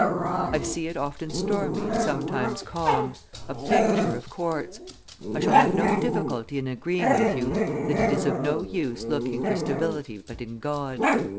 I see it often stormy and sometimes calm; a picture of courts. I shall have no difficulty in agreeing with you that it is of no use looking for stability but in God.